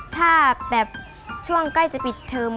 ถ้าแบบช่วงใกล้จะปิดเทอม